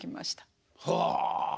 はあ！